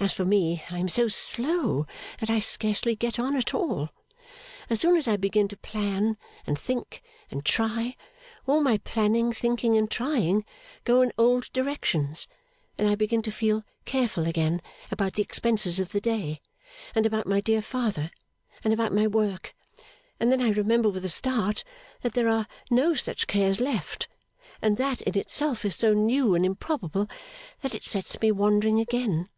As for me, I am so slow that I scarcely get on at all. As soon as I begin to plan, and think, and try, all my planning, thinking, and trying go in old directions, and I begin to feel careful again about the expenses of the day, and about my dear father, and about my work, and then I remember with a start that there are no such cares left, and that in itself is so new and improbable that it sets me wandering again.